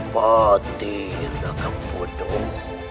pati raka bodoh